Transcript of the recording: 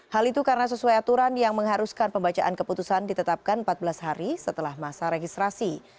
hal itu karena sesuai aturan yang mengharuskan pembacaan keputusan ditetapkan empat belas hari setelah masa registrasi